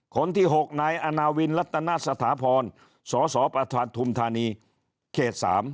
คนที่๖นายอาณาวินรัตนสถาพรสสประธานทุมธานีเขต๓